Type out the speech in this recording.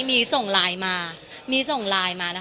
มีส่งไลน์มา